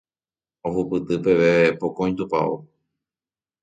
ohupyty peve pokõi tupão